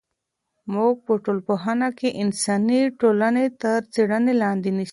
موږ په ټولنپوهنه کې انساني ټولنې تر څېړنې لاندې نیسو.